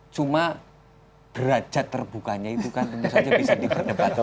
cuma derajat terbukanya itu kan tentu saja bisa diperdebatkan